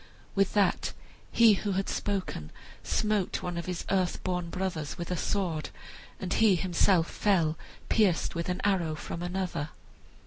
With that he who had spoken smote one of his earth born brothers with a sword, and he himself fell pierced with an arrow from another.